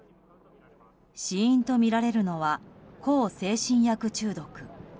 死因とみられるのは向精神薬中毒。